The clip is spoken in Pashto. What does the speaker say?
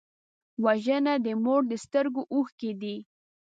وژنه د مور د سترګو اوښکې دي